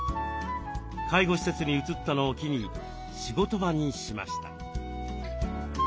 介護施設に移ったのを機に仕事場にしました。